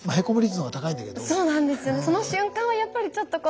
その瞬間はやっぱりちょっとこう。